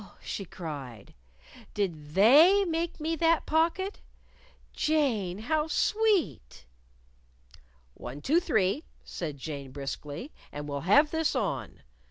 she cried; "did They make me that pocket? Jane, how sweet!" "One, two, three," said Jane, briskly, "and we'll have this on!